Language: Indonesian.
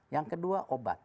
yang kedua obat